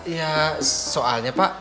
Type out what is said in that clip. ya soalnya pak